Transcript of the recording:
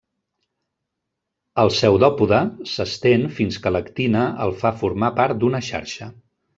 El pseudòpode s'estén fins que l'actina el fa formar part d'una xarxa.